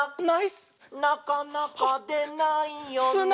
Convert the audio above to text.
「なかなかでないよね」